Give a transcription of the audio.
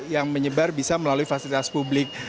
yang menyebar bisa melalui fasilitas publik